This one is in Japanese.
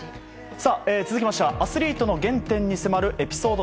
続きましてはアスリートの原点に迫る